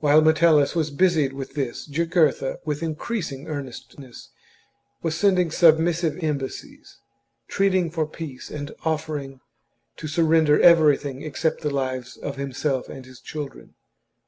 While Metellus was busied with this, Jugurtha, with increasing earnestness, was sending submissive embassies, entreating for peace and offering to surrender everything except the lives of himself and his children.